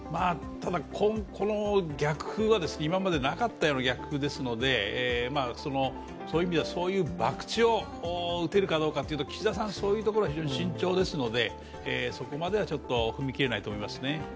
ただこの逆風は、今までなかったような逆風ですのでそういう意味ではそういう博打を打てるかどうかは岸田さん、非常に慎重ですので、そこまでは踏み切れないと思いますね。